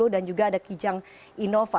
dan juga ada kijang innova